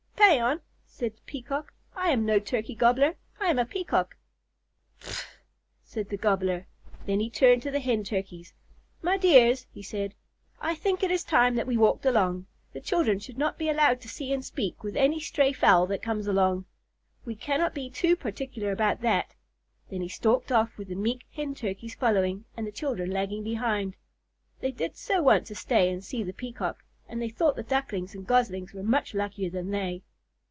"Paon!" said the Peacock. "I am no Turkey Gobbler. I am a Peacock." "Pffff!" said the Gobbler. Then he turned to the Hen Turkeys. "My dears," he said, "I think it is time that we walked along. The children should not be allowed to see and speak with any stray fowl that comes along. We cannot be too particular about that." Then he stalked off, with the meek Hen Turkeys following and the children lagging behind. They did so want to stay and see the Peacock, and they thought the Ducklings and Goslings were much luckier than they.